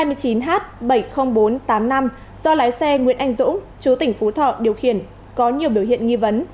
lái xe nguyễn anh dũng chú tỉnh phú thọ điều khiển có nhiều biểu hiện nghi vấn